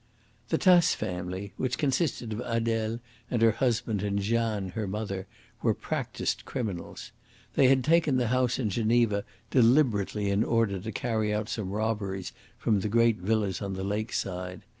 The Tace family, which consisted of Adele and her husband and Jeanne, her mother, were practised criminals. They had taken the house in Geneva deliberately in order to carry out some robberies from the great villas on the lake side.